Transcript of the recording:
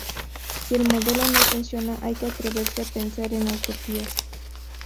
Si el modelo no funciona hay que atreverse a pensar en utopías.